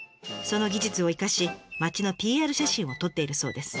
その技術を生かし町のＰＲ写真を撮っているそうです。